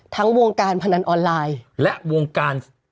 วงการพนันออนไลน์และวงการ